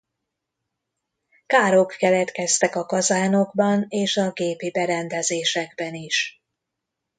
Károk keletkeztek a kazánokban és a gépi berendezésekben is.